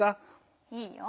いいよ。